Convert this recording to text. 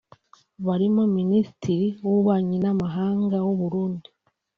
barimo Minisitiri w’Ububanyi n’amahanga w’u Burundi